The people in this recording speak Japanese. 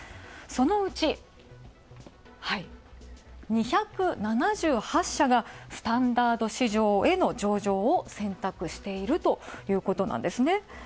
そのうち、２７８社がスタンダード市場への上場を選択しているということなんですね。